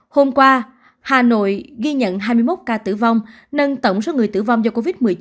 hôm qua hà nội ghi nhận hai mươi một ca tử vong nâng tổng số người tử vong do covid một mươi chín